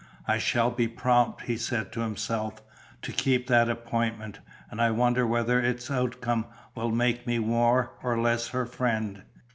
"I shall be prompt," he said to himself, "to keep that appointment, and I wonder whether its outcome will make me more or less her friend.